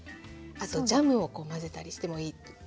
あとジャムを混ぜたりしてもいいと。